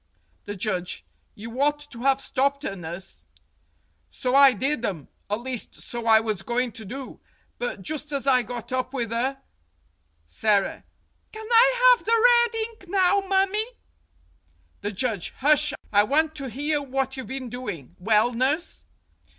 The Judge : You ought to have stopped her, nurse. "So I diddum. At least, so I was goin' to do. But just as I got up with 'er " Sara : Can I have the red ink now, mummie ?, The Judge: Hush! I want to hear what you've been doing. Well, nurse?